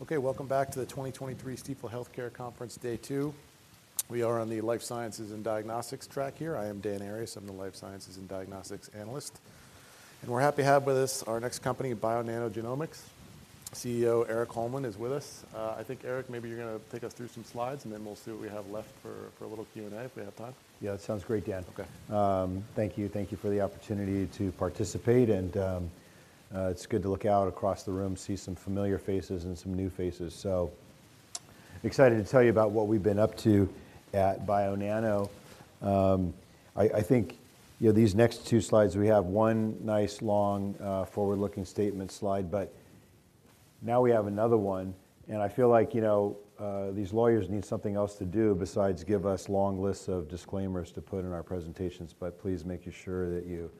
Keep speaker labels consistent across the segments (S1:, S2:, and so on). S1: Okay, welcome back to the 2023 Stifel Healthcare Conference, day two. We are on the life sciences and diagnostics track here. I am Dan Arias. I'm the life sciences and diagnostics analyst, and we're happy to have with us our next company, Bionano Genomics. CEO, Erik Holmlin, is with us. I think, Erik, maybe you're gonna take us through some slides, and then we'll see what we have left for a little Q&A if we have time.
S2: Yeah, that sounds great, Dan.
S1: Okay.
S2: Thank you. Thank you for the opportunity to participate, and it's good to look out across the room, see some familiar faces and some new faces. So excited to tell you about what we've been up to at Bionano. I think, you know, these next two slides, we have one nice, long, forward-looking statement slide, but now we have another one, and I feel like, you know, these lawyers need something else to do besides give us long lists of disclaimers to put in our presentations. But please make sure that you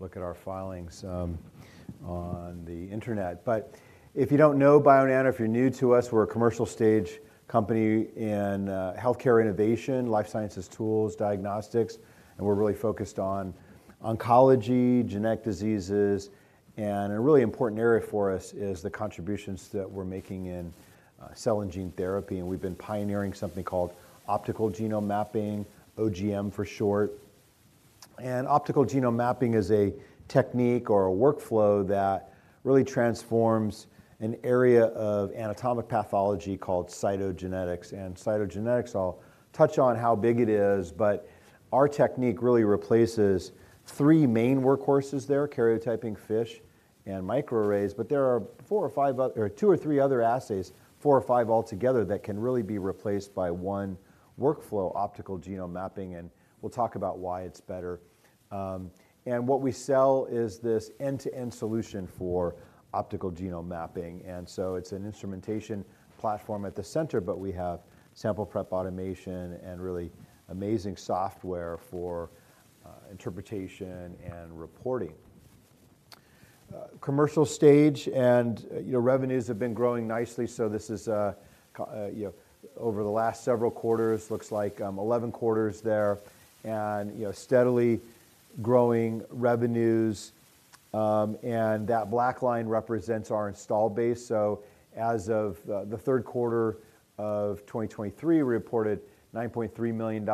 S2: look at our filings on the Internet. But if you don't know Bionano, if you're new to us, we're a commercial stage company in healthcare innovation, life sciences tools, diagnostics, and we're really focused on oncology, genetic diseases, and a really important area for us is the contributions that we're making in cell and gene therapy, and we've been pioneering something called optical genome mapping, OGM for short. Optical genome mapping is a technique or a workflow that really transforms an area of anatomic pathology called cytogenetics. Cytogenetics, I'll touch on how big it is but our technique really replaces three main workhorses there, karyotyping, FISH, and microarrays, but there are four or five other, or two or three other assays, four or five altogether, that can really be replaced by one workflow, optical genome mapping, and we'll talk about why it's better. What we sell is this end-to-end solution for optical genome mapping, and so it's an instrumentation platform at the center, but we have sample prep automation and really amazing software for interpretation and reporting. Commercial stage and, you know, revenues have been growing nicely, so this is, you know, over the last several quarters, looks like 11 quarters there, and, you know, steadily growing revenues, and that black line represents our installed base. So as of the third quarter of 2023, we reported $9.3 million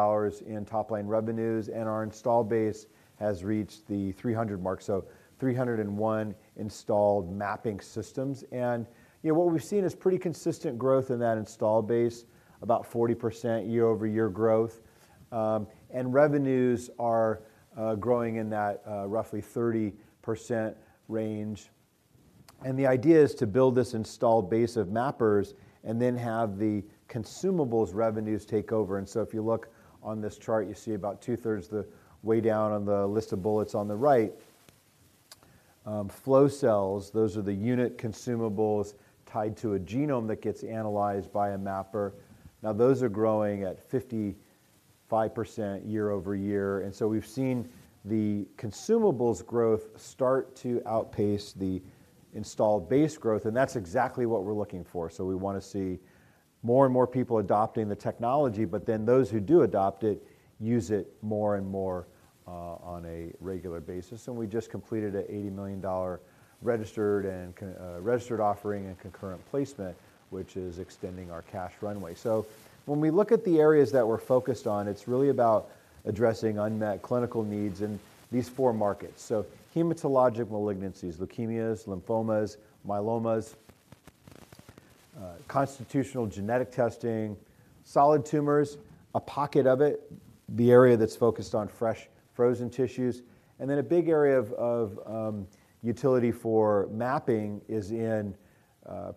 S2: in top-line revenues, and our installed base has reached the 300 mark, so 301 installed mapping systems. You know, what we've seen is pretty consistent growth in that installed base, about 40% year-over-year growth, and revenues are growing in that roughly 30% range. The idea is to build this installed base of mappers and then have the consumables revenues take over. So if you look on this chart, you see about two-thirds of the way down on the list of bullets on the right, flow cells, those are the unit consumables tied to a genome that gets analyzed by a mapper. Now, those are growing at 55% year-over-year, and so we've seen the consumables growth start to outpace the installed base growth, and that's exactly what we're looking for. So we wanna see more and more people adopting the technology, but then those who do adopt it, use it more and more on a regular basis. And we just completed a $80 million registered offering and concurrent placement which is extending our cash runway. So when we look at the areas that we're focused on, it's really about addressing unmet clinical needs in these four markets. So hematologic malignancies, leukemias, lymphomas, myelomas, constitutional genetic testing, solid tumors, a pocket of it, the area that's focused on fresh, frozen tissues, and then a big area of utility for mapping is in, you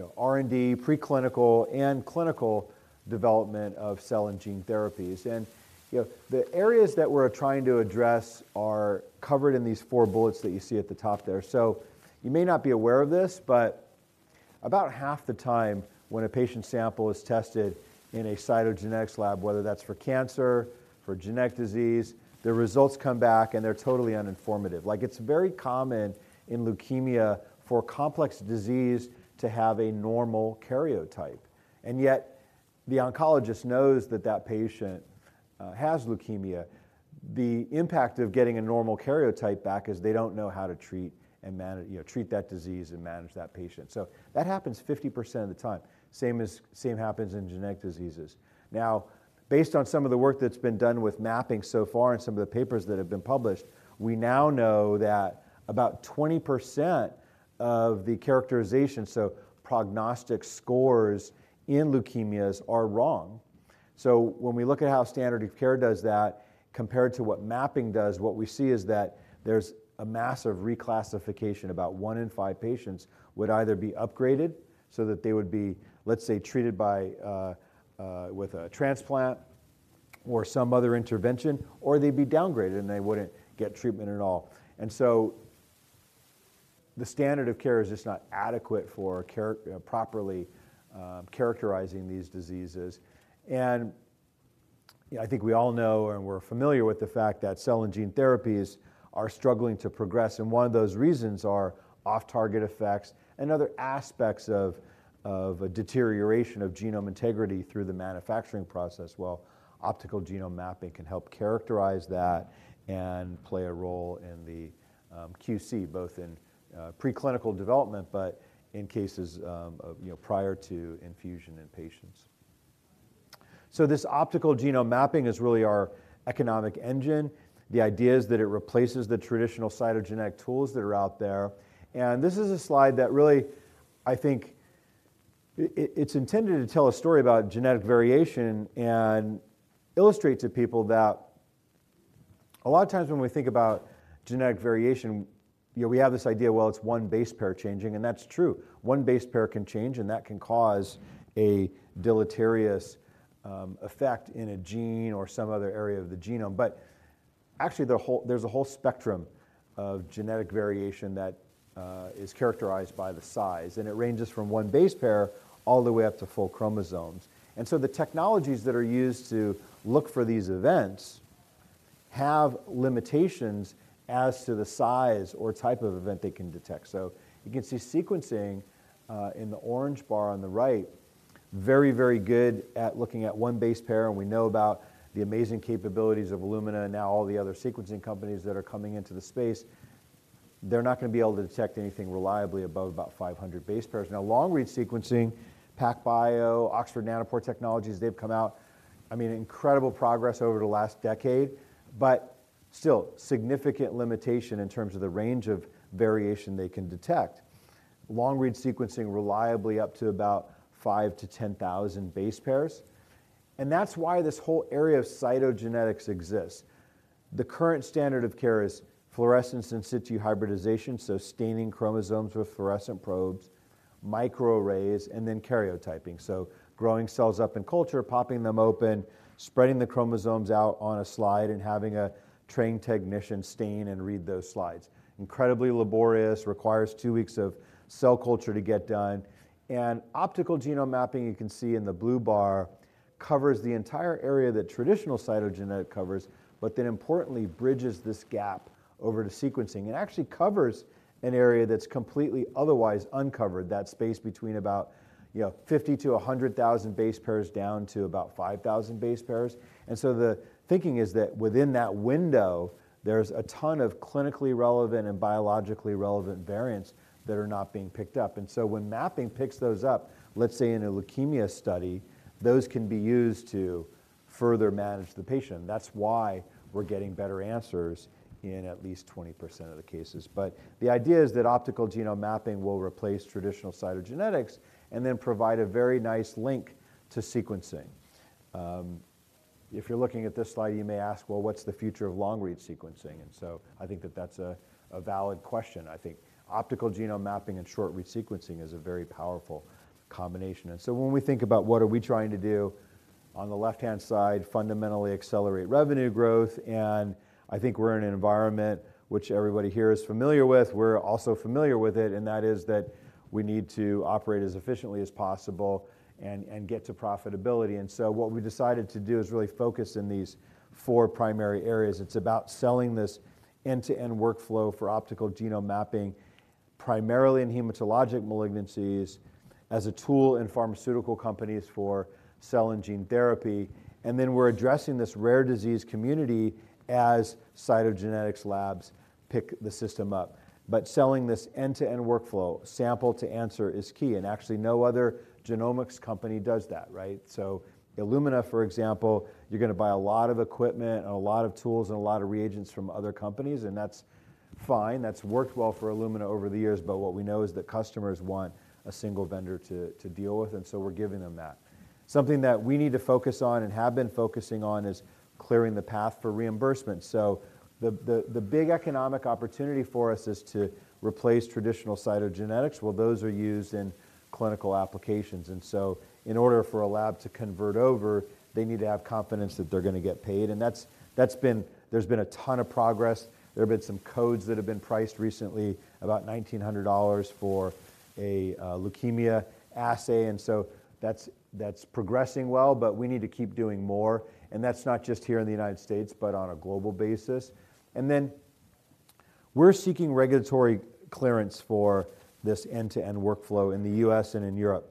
S2: know, R&D, preclinical, and clinical development of cell and gene therapies. And, you know, the areas that we're trying to address are covered in these four bullets that you see at the top there. So you may not be aware of this, but about half the time when a patient's sample is tested in a cytogenetics lab, whether that's for cancer, for genetic disease, the results come back, and they're totally uninformative. Like, it's very common in leukemia for a complex disease to have a normal karyotype, and yet the oncologist knows that that patient has leukemia. The impact of getting a normal karyotype back is they don't know how to treat and you know, treat that disease and manage that patient. So that happens 50% of the time, same as same happens in genetic diseases. Now, based on some of the work that's been done with mapping so far and some of the papers that have been published, we now know that about 20% of the characterization, so prognostic scores in leukemias, are wrong. So when we look at how standard of care does that compared to what mapping does, what we see is that there's a massive reclassification. About one in five patients would either be upgraded, so that they would be, let's say, treated by with a transplant or some other intervention, or they'd be downgraded, and they wouldn't get treatment at all. And so the standard of care is just not adequate for properly characterizing these diseases. And, yeah, I think we all know, and we're familiar with the fact that cell and gene therapies are struggling to progress, and one of those reasons are off-target effects and other aspects of a deterioration of genome integrity through the manufacturing process. Well, optical genome mapping can help characterize that and play a role in the QC, both in preclinical development, but in cases of you know, prior to infusion in patients. So this optical genome mapping is really our economic engine. The idea is that it replaces the traditional cytogenetic tools that are out there. And this is a slide that really, I think, it's intended to tell a story about genetic variation and illustrate to people that a lot of times when we think about genetic variation, yeah, we have this idea, well, it's one base pair changing and that's true. One base pair can change and that can cause a deleterious effect in a gene or some other area of the genome. But actually, the whole, there's a whole spectrum of genetic variation that is characterized by the size, and it ranges from one base pair all the way up to full chromosomes. And so the technologies that are used to look for these events have limitations as to the size or type of event they can detect. So you can see sequencing in the orange bar on the right, very, very good at looking at one base pair, and we know about the amazing capabilities of Illumina and now all the other sequencing companies that are coming into the space. They're not gonna be able to detect anything reliably above about 500 base pairs. Now, long-read sequencing, PacBio, Oxford Nanopore Technologies, they've come out, I mean, incredible progress over the last decade but still significant limitation in terms of the range of variation they can detect. Long-read sequencing reliably up to about 5,000-10,000 base pairs. And that's why this whole area of cytogenetics exists. The current standard of care is fluorescence in situ hybridization, so staining chromosomes with fluorescent probes, microarrays, and then karyotyping. So growing cells up in culture, popping them open, spreading the chromosomes out on a slide, and having a trained technician stain and read those slides. Incredibly laborious, requires two weeks of cell culture to get done. And optical genome mapping, you can see in the blue bar, covers the entire area that traditional cytogenetic covers but then importantly, bridges this gap over to sequencing and actually covers an area that's completely otherwise uncovered, that space between about, you know, 50,000-100,000 base pairs down to about 5,000 base pairs. The thinking is that within that window, there's a ton of clinically relevant and biologically relevant variants that are not being picked up. When mapping picks those up, let's say in a leukemia study, those can be used to further manage the patient. That's why we're getting better answers in at least 20% of the cases. The idea is that optical genome mapping will replace traditional cytogenetics and then provide a very nice link to sequencing. If you're looking at this slide, you may ask, "Well, what's the future of long-read sequencing?" I think that that's a valid question. I think optical genome mapping and short-read sequencing is a very powerful combination. And so when we think about what are we trying to do, on the left-hand side, fundamentally accelerate revenue growth, and I think we're in an environment which everybody here is familiar with, we're also familiar with it and that is that we need to operate as efficiently as possible and get to profitability. And so what we decided to do is really focus in these four primary areas. It's about selling this end-to-end workflow for optical genome mapping, primarily in hematologic malignancies, as a tool in pharmaceutical companies for cell and gene therapy. And then we're addressing this rare disease community as cytogenetics labs pick the system up. But selling this end-to-end workflow, sample to answer, is key, and actually, no other genomics company does that, right? So Illumina, for example, you're gonna buy a lot of equipment and a lot of tools and a lot of reagents from other companies, and that's fine. That's worked well for Illumina over the years, but what we know is that customers want a single vendor to deal with, and so we're giving them that. Something that we need to focus on and have been focusing on is clearing the path for reimbursement. So the big economic opportunity for us is to replace traditional cytogenetics. Well, those are used in clinical applications, and so in order for a lab to convert over, they need to have confidence that they're gonna get paid, and that's been. There's been a ton of progress. There have been some codes that have been priced recently, about $1,900 for a leukemia assay, and so that's progressing well, but we need to keep doing more. That's not just here in the United States, but on a global basis. Then we're seeking regulatory clearance for this end-to-end workflow in the U.S. and in Europe.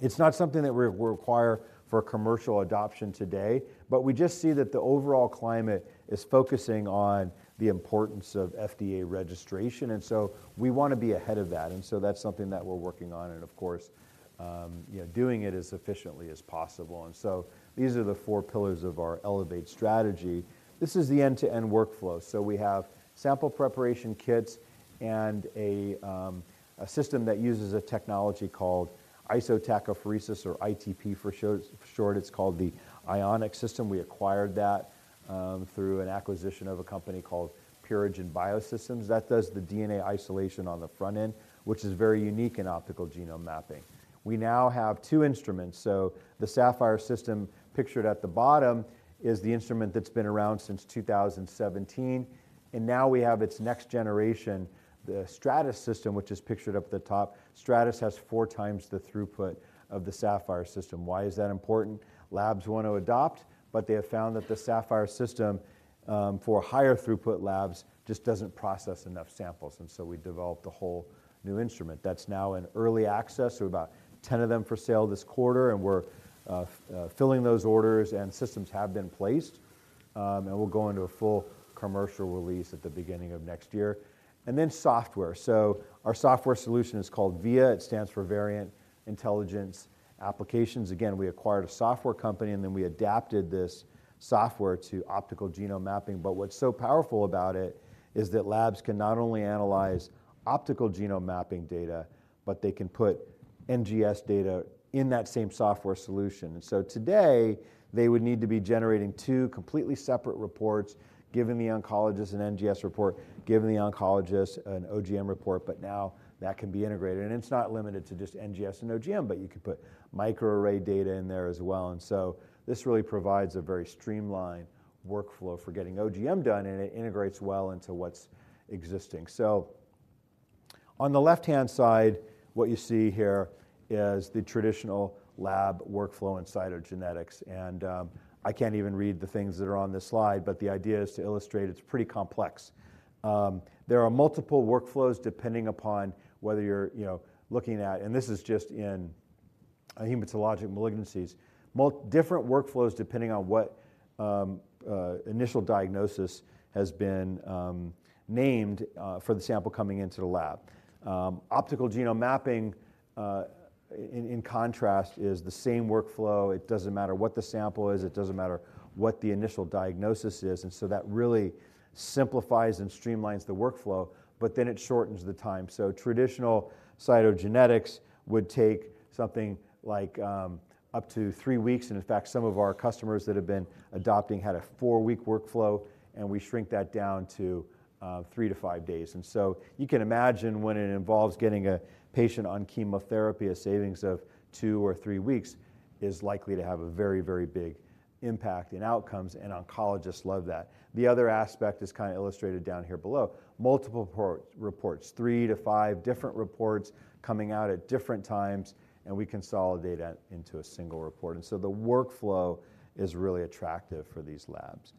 S2: It's not something that we require for commercial adoption today, but we just see that the overall climate is focusing on the importance of FDA registration and so we wanna be ahead of that. So that's something that we're working on, and of course, doing it as efficiently as possible. So these are the four pillars of our Elevate Strategy. This is the end-to-end workflow. So we have sample preparation kits and a system that uses a technology called isotachophoresis, or ITP for short. It's called the Ionic system. We acquired that through an acquisition of a company called Purigen Biosystems. That does the DNA isolation on the front end, which is very unique in optical genome mapping. We now have two instruments. So the Saphyr system, pictured at the bottom, is the instrument that's been around since 2017, and now we have its next generation, the Stratys system, which is pictured up at the top. Stratys has four times the throughput of the Saphyr system. Why is that important? Labs want to adopt, but they have found that the Saphyr system for higher throughput labs just doesn't process enough samples, and so we developed a whole new instrument. That's now in early access, so about 10 of them for sale this quarter, and we're filling those orders, and systems have been placed, and we'll go into a full commercial release at the beginning of next year. Then software. So our software solution is called VIA. It stands for Variant Intelligence Applications. Again, we acquired a software company, and then we adapted this software to optical genome mapping. But what's so powerful about it is that labs can not only analyze optical genome mapping data, but they can put NGS data in that same software solution. So today, they would need to be generating two completely separate reports, giving the oncologist an NGS report, giving the oncologist an OGM report but now that can be integrated. And it's not limited to just NGS and OGM, but you could put microarray data in there as well. This really provides a very streamlined workflow for getting OGM done, and it integrates well into what's existing. On the left-hand side, what you see here is the traditional lab workflow in cytogenetics, and I can't even read the things that are on this slide, but the idea is to illustrate it's pretty complex. There are multiple workflows depending upon whether you're, you know, looking at and this is just in hematologic malignancies. Different workflows, depending on what initial diagnosis has been named for the sample coming into the lab. Optical genome mapping in contrast, is the same workflow. It doesn't matter what the sample is, it doesn't matter what the initial diagnosis is and so that really simplifies and streamlines the workflow, but then it shortens the time. So traditional cytogenetics would take something like up to 3 weeks, and in fact, some of our customers that have been adopting had a 4-week workflow, and we shrink that down to 3-5 days. And so you can imagine when it involves getting a patient on chemotherapy, a savings of 2 or 3 weeks is likely to have a very, very big impact in outcomes, and oncologists love that. The other aspect is kind of illustrated down here below. Multiple reports, 3-5 different reports coming out at different times, and we consolidate that into a single report. And so the workflow is really attractive for these labs.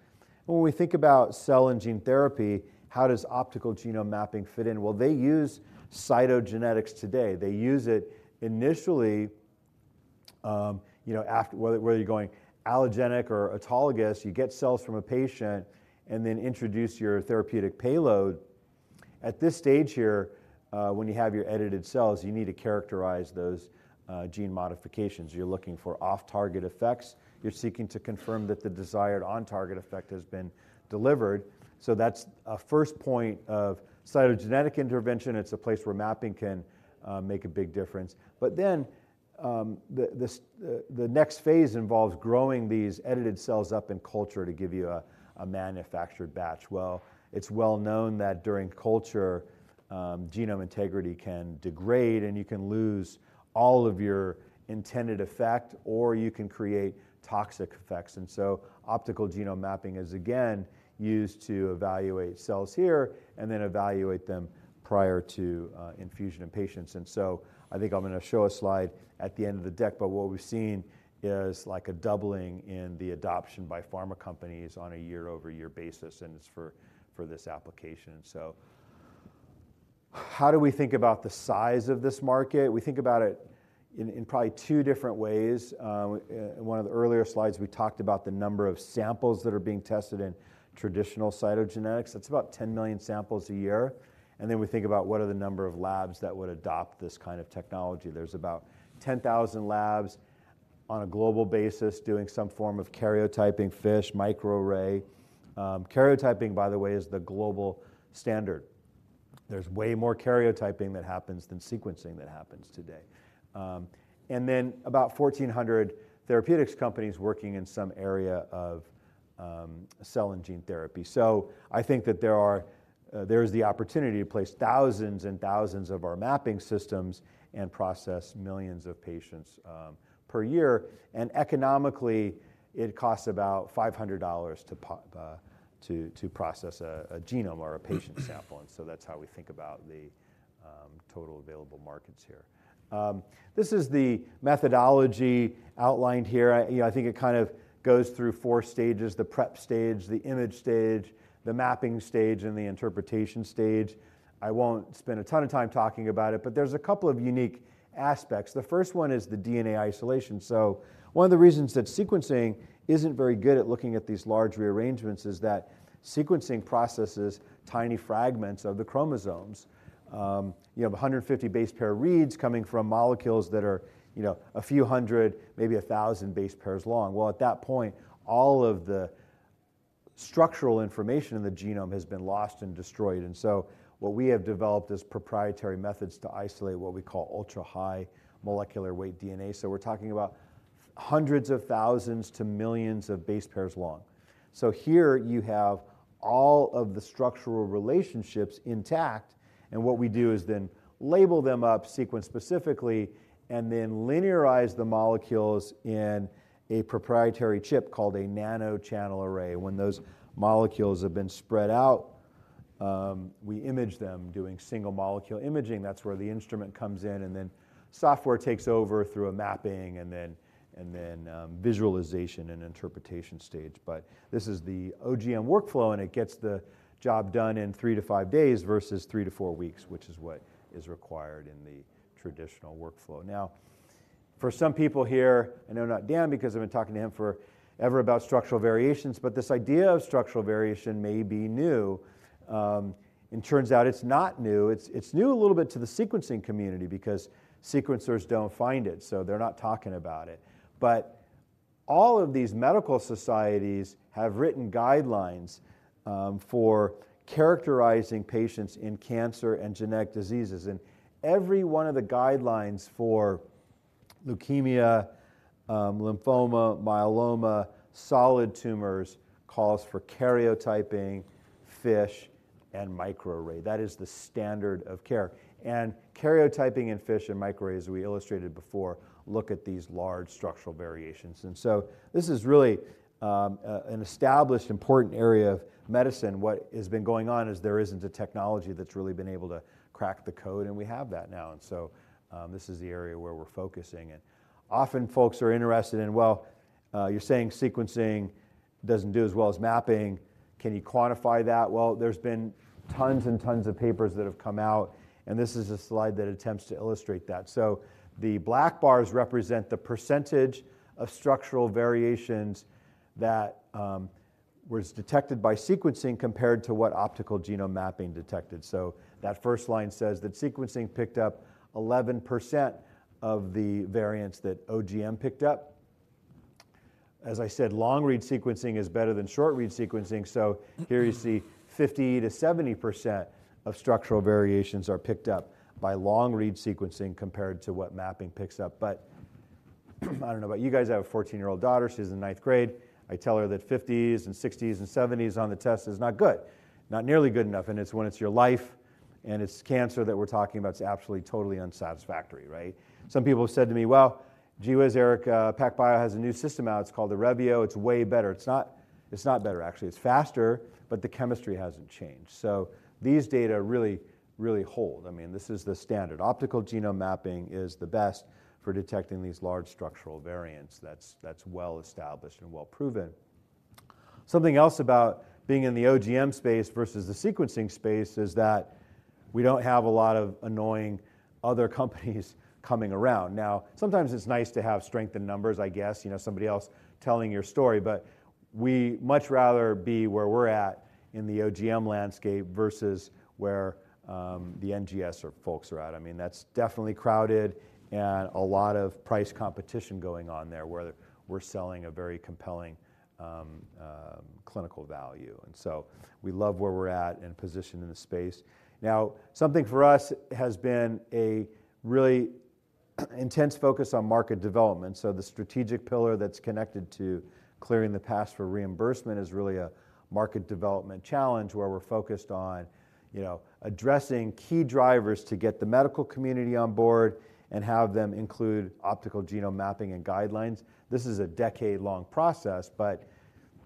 S2: When we think about cell and gene therapy, how does optical genome mapping fit in? Well, they use cytogenetics today. They use it initially, you know, whether you're going allogenic or autologous, you get cells from a patient and then introduce your therapeutic payload. At this stage here, when you have your edited cells, you need to characterize those, gene modifications. You're looking for off-target effects. You're seeking to confirm that the desired on-target effect has been delivered. So that's a first point of cytogenetic intervention. It's a place where mapping can make a big difference. But then, the next phase involves growing these edited cells up in culture to give you a manufactured batch. Well, it's well known that during culture, genome integrity can degrade, and you can lose all of your intended effect, or you can create toxic effects. And so optical genome mapping is again used to evaluate cells here and then evaluate them prior to infusion in patients. And so I think I'm going to show a slide at the end of the deck, but what we've seen is like a doubling in the adoption by pharma companies on a year-over-year basis, and it's for this application. So how do we think about the size of this market? We think about it in probably two different ways. In one of the earlier slides, we talked about the number of samples that are being tested in traditional cytogenetics. That's about 10 million samples a year. And then we think about what are the number of labs that would adopt this kind of technology. There's about 10,000 labs on a global basis doing some form of karyotyping, FISH, microarray. Karyotyping, by the way, is the global standard. There's way more karyotyping that happens than sequencing that happens today. And then about 1,400 therapeutics companies working in some area of cell and gene therapy. So I think that there is the opportunity to place thousands and thousands of our mapping systems and process millions of patients per year. And economically, it costs about $500 to process a genome or a patient sample. And so that's how we think about the total available markets here. This is the methodology outlined here. You know, I think it kind of goes through four stages: the prep stage, the image stage, the mapping stage, and the interpretation stage. I won't spend a ton of time talking about it, but there's a couple of unique aspects. The first one is the DNA isolation. So one of the reasons that sequencing isn't very good at looking at these large rearrangements is that sequencing processes tiny fragments of the chromosomes. You have 150 base pair reads coming from molecules that are, you know, a few hundred, maybe 1,000 base pairs long. Well, at that point, all of the structural information in the genome has been lost and destroyed. And so what we have developed is proprietary methods to isolate what we call ultra-high molecular weight DNA. So we're talking about hundreds of thousands to millions of base pairs long. So here you have all of the structural relationships intact, and what we do is then label them up, sequence specifically, and then linearize the molecules in a proprietary chip called a nanochannel array. When those molecules have been spread out, we image them doing single molecule imaging. That's where the instrument comes in, and then software takes over through a mapping and then visualization and interpretation stage. But this is the OGM workflow, and it gets the job done in 3-5 days versus 3-4 weeks which is what is required in the traditional workflow. Now, for some people here, I know not Dan, because I've been talking to him forever about structural variations, but this idea of structural variation may be new. It turns out it's not new. It's new a little bit to the sequencing community because sequencers don't find it, so they're not talking about it. But all of these medical societies have written guidelines for characterizing patients in cancer and genetic diseases. Every one of the guidelines for leukemia, lymphoma, myeloma, solid tumors, calls for karyotyping, FISH, and microarray. That is the standard of care. Karyotyping and FISH and microarray, as we illustrated before, look at these large structural variations. This is really an established, important area of medicine. What has been going on is there isn't a technology that's really been able to crack the code, and we have that now. This is the area where we're focusing in. Often folks are interested in, well, you're saying sequencing doesn't do as well as mapping. Can you quantify that? Well, there's been tons and tons of papers that have come out, and this is a slide that attempts to illustrate that. So the black bars represent the percentage of structural variations that was detected by sequencing compared to what optical genome mapping detected. So that first line says that sequencing picked up 11% of the variants that OGM picked up. As I said, long-read sequencing is better than short-read sequencing. So here you see 50%-70% of structural variations are picked up by long-read sequencing compared to what mapping picks up. But I don't know about you guys. I have a 14-year-old daughter. She's in 9th grade. I tell her that 50s and 60s and 70s on the test is not good, not nearly good enough, and it's when it's your life and it's cancer that we're talking about, it's absolutely, totally unsatisfactory, right? Some people have said to me: Well, gee whiz, Erik, PacBio has a new system out. It's called the Revio. It's way better. It's not, it's not better, actually. It's faster, but the chemistry hasn't changed. So these data really, really hold. I mean, this is the standard. Optical genome mapping is the best for detecting these large structural variants. That's, that's well established and well proven. Something else about being in the OGM space versus the sequencing space is that we don't have a lot of annoying other companies coming around. Now, sometimes it's nice to have strength in numbers, I guess, you know, somebody else telling your story, but we much rather be where we're at in the OGM landscape versus where the NGS folks are at. I mean, that's definitely crowded and a lot of price competition going on there, where we're selling a very compelling clinical value. And so we love where we're at and position in the space. Now, something for us has been a really intense focus on market development. So the strategic pillar that's connected to clearing the path for reimbursement is really a market development challenge, where we're focused on, you know, addressing key drivers to get the medical community on board and have them include optical genome mapping and guidelines. This is a decade-long process, but,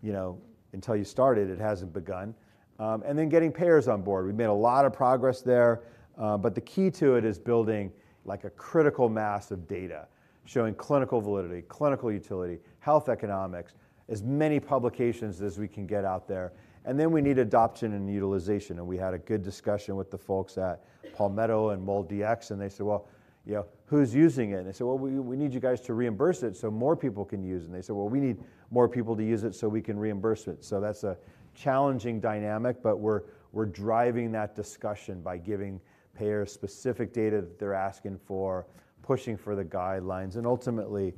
S2: you know, until you start it, it hasn't begun. And then getting payers on board. We've made a lot of progress there, but the key to it is building like a critical mass of data, showing clinical validity, clinical utility, health economics, as many publications as we can get out there, and then we need adoption and utilization. And we had a good discussion with the folks at Palmetto and MolDX, and they said, "Well, you know, who's using it?" I said, "Well, we need you guys to reimburse it so more people can use it." And they said, "Well, we need more people to use it so we can reimburse it." So that's a challenging dynamic, but we're driving that discussion by giving payers specific data that they're asking for, pushing for the guidelines, and ultimately,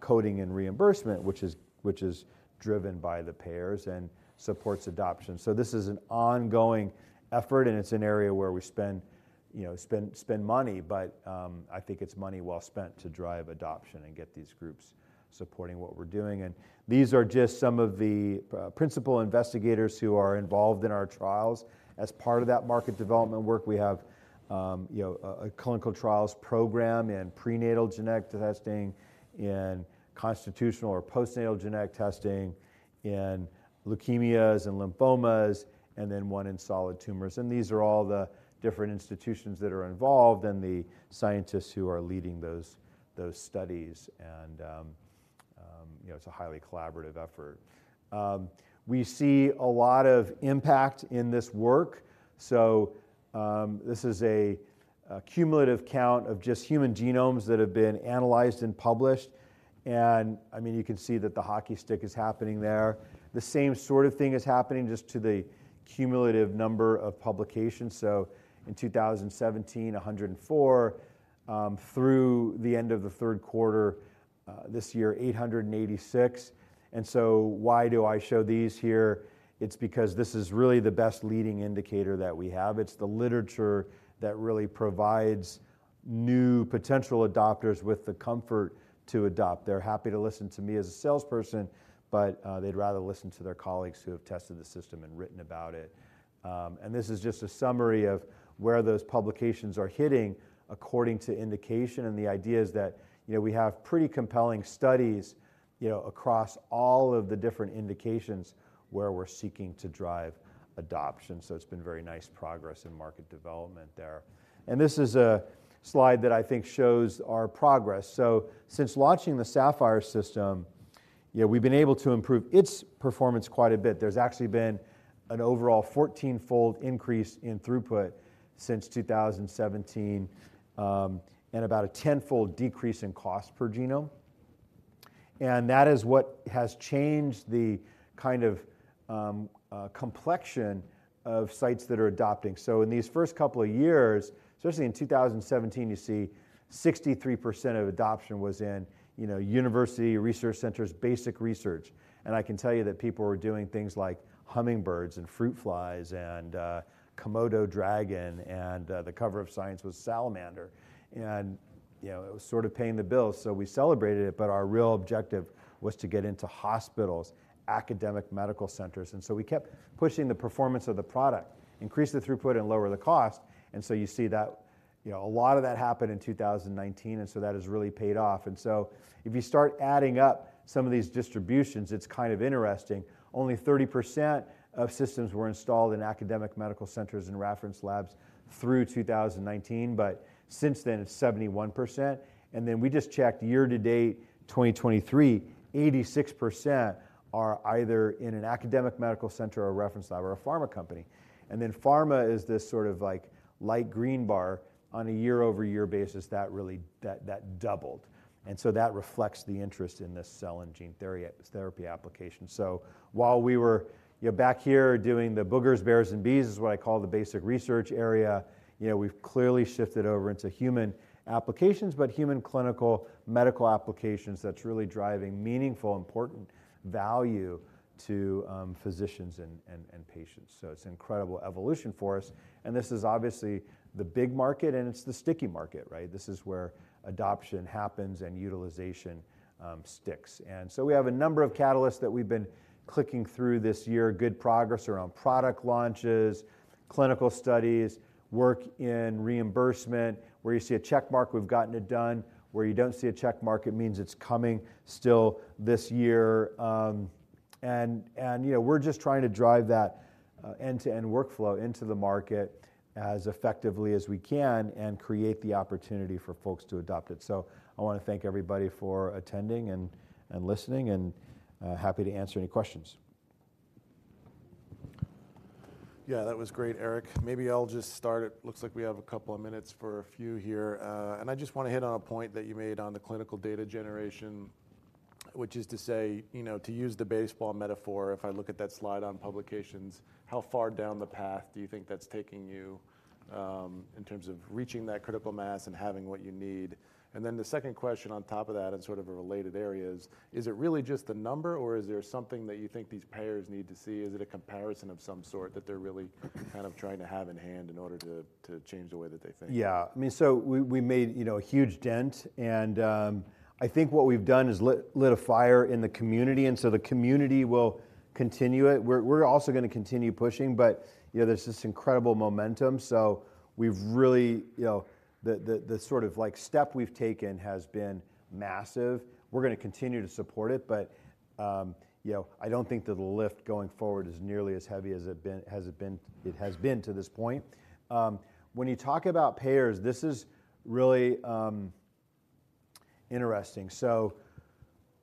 S2: coding and reimbursement, which is driven by the payers and supports adoption. So this is an ongoing effort, and it's an area where we spend, you know, spend, spend money but I think it's money well spent to drive adoption and get these groups supporting what we're doing. And these are just some of the principal investigators who are involved in our trials. As part of that market development work, we have, you know, a clinical trials program in prenatal genetic testing, in constitutional or postnatal genetic testing, in leukemias and lymphomas, and then one in solid tumors. These are all the different institutions that are involved and the scientists who are leading those, those studies. You know, it's a highly collaborative effort. We see a lot of impact in this work. This is a cumulative count of just human genomes that have been analyzed and published, and I mean, you can see that the hockey stick is happening there. The same sort of thing is happening just to the cumulative number of publications. In 2017, 104 through the end of the third quarter this year, 886. And so why do I show these here? It's because this is really the best leading indicator that we have. It's the literature that really provides new potential adopters with the comfort to adopt. They're happy to listen to me as a salesperson but they'd rather listen to their colleagues who have tested the system and written about it. And this is just a summary of where those publications are hitting according to indication. And the idea is that, you know, we have pretty compelling studies, you know, across all of the different indications where we're seeking to drive adoption. So it's been very nice progress in market development there. And this is a slide that I think shows our progress. So since launching the Saphyr system. Yeah, we've been able to improve its performance quite a bit. There's actually been an overall 14-fold increase in throughput since 2017, and about a 10-fold decrease in cost per genome. And that is what has changed the kind of complexion of sites that are adopting. So in these first couple of years, especially in 2017, you see 63% of adoption was in, you know, university research centers, basic research. And I can tell you that people were doing things like hummingbirds and fruit flies and Komodo dragon, and the cover of Science was salamander. And, you know, it was sort of paying the bills, so we celebrated it but our real objective was to get into hospitals, academic medical centers, and so we kept pushing the performance of the product, increase the throughput and lower the cost. And so you see that, you know, a lot of that happened in 2019, and so that has really paid off. And so if you start adding up some of these distributions, it's kind of interesting. Only 30% of systems were installed in academic medical centers and reference labs through 2019, but since then, it's 71%. And then we just checked year to date 2023, 86% are either in an academic medical center or a reference lab or a pharma company. And then pharma is this sort of like light green bar on a year-over-year basis that really doubled. And so that reflects the interest in this cell and gene therapy application. So while we were, you know, back here doing the boogers, bears, and bees, is what I call the basic research area, you know, we've clearly shifted over into human applications but human clinical medical applications, that's really driving meaningful, important value to physicians and patients. So it's an incredible evolution for us and this is obviously the big market and it's the sticky market, right? This is where adoption happens and utilization sticks. And so we have a number of catalysts that we've been clicking through this year, good progress around product launches, clinical studies, work in reimbursement. Where you see a check mark, we've gotten it done. Where you don't see a check mark, it means it's coming still this year. You know, we're just trying to drive that end-to-end workflow into the market as effectively as we can and create the opportunity for folks to adopt it. So I want to thank everybody for attending and listening, and happy to answer any questions.
S1: Yeah, that was great, Erik. Maybe I'll just start it. Looks like we have a couple of minutes for a few here. And I just want to hit on a point that you made on the clinical data generation, which is to say, you know, to use the baseball metaphor, if I look at that slide on publications, how far down the path do you think that's taking you in terms of reaching that critical mass and having what you need? And then the second question on top of that, and sort of a related area, is, is it really just the number, or is there something that you think these payers need to see? Is it a comparison of some sort that they're really kind of trying to have in hand in order to change the way that they think?
S2: Yeah. I mean, so we made, you know, a huge dent, and I think what we've done is lit a fire in the community, and so the community will continue it. We're also gonna continue pushing, but, you know, there's this incredible momentum, so we've really, you know, the sort of like step we've taken has been massive. We're gonna continue to support it but, you know, I don't think that the lift going forward is nearly as heavy as it has been to this point. When you talk about payers, this is really interesting. So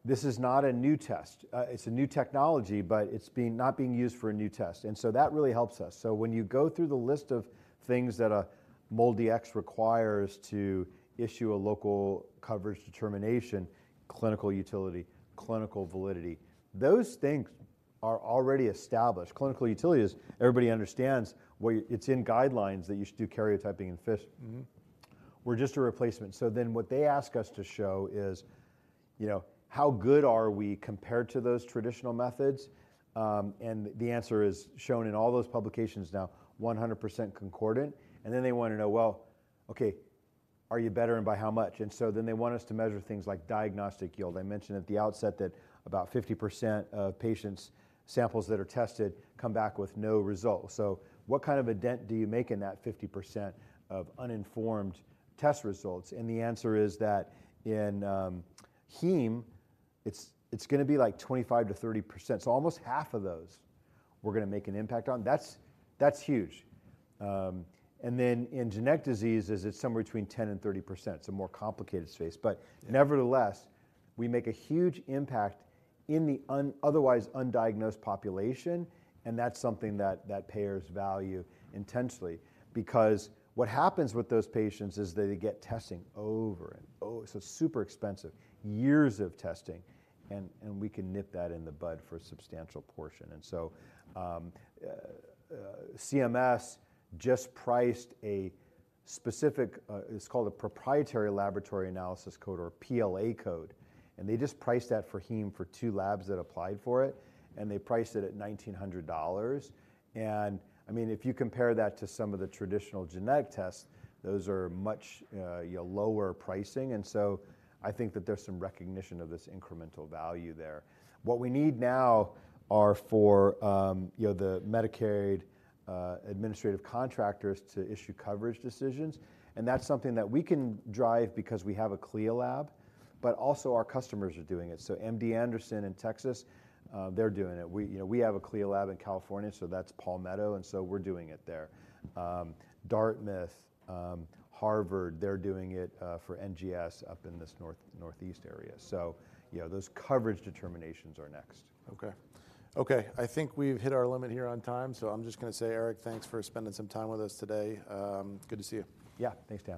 S2: this is not a new test. It's a new technology, but it's not being used for a new test, and so that really helps us. So when you go through the list of things that a MolDX requires to issue a local coverage determination, clinical utility, clinical validity, those things are already established. Clinical utility is, everybody understands, where it's in guidelines that you should do karyotyping and FISH.
S1: Mm-hmm.
S2: We're just a replacement. So then what they ask us to show is, you know, how good are we compared to those traditional methods? And the answer is shown in all those publications now, 100% concordant. And then they want to know, well, okay, are you better and by how much? And so then they want us to measure things like diagnostic yield. I mentioned at the outset that about 50% of patients' samples that are tested come back with no result. So what kind of a dent do you make in that 50% of uninformed test results? And the answer is that in heme, it's gonna be like 25%-30%. So almost half of those we're gonna make an impact on. That's huge. And then in genetic diseases, it's somewhere between 10% and 30%. It's a more complicated space. But nevertheless, we make a huge impact in the otherwise undiagnosed population, and that's something that payers value intensely. Because what happens with those patients is they get testing over and over, so super expensive, years of testing, and we can nip that in the bud for a substantial portion. And so, CMS just priced a specific, it's called a proprietary laboratory analysis code or PLA code and they just priced that for heme for two labs that applied for it, and they priced it at $1,900. And, I mean, if you compare that to some of the traditional genetic tests, those are much lower pricing, and so I think that there's some recognition of this incremental value there. What we need now are for, you know, the Medicare administrative contractors to issue coverage decisions, and that's something that we can drive because we have a CLIA lab, but also our customers are doing it. So MD Anderson in Texas, they're doing it. We, you know, we have a CLIA lab in California, so that's Palmetto, and so we're doing it there. Dartmouth, Harvard, they're doing it for NGS up in this North, Northeast area. So, you know, those coverage determinations are next.
S1: Okay. Okay, I think we've hit our limit here on time, so I'm just gonna say, Erik, thanks for spending some time with us today. Good to see you.
S2: Yeah. Thanks, Dan.